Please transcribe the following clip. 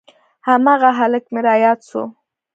هماغه هلک مې راياد سو.